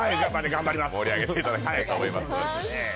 頑張ります。